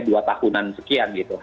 dua tahunan sekian gitu